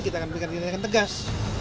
kita akan berikan tindakan tegas